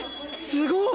すごい！